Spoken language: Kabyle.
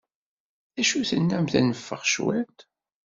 D acu tennam ad neffeɣ cwiṭ?